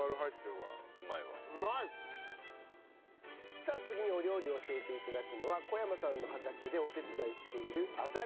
さあ次にお料理を教えて頂くのは小山さんの畑でお手伝いしている莇敦美さんです。